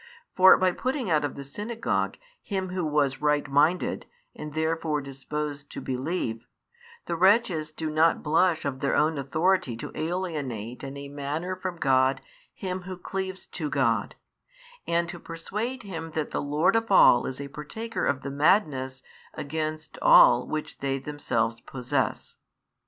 For by putting out of the synagogue him who was right minded and therefore disposed to believe, the wretches do not blush of their own authority to alienate in a manner from God him who cleaves to God; and to persuade him that the Lord of all is a partaker of the madness against all which they themselves possess.